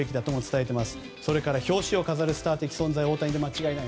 そして表紙を飾るスター的存在は大谷で間違いない。